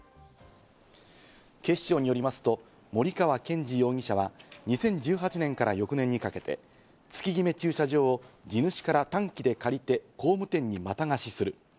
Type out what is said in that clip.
警視庁によりますと森川賢治容疑者は２０１８年から翌年にかけて、月極駐車場を地主から短期で借りて工務店にまた貸しする。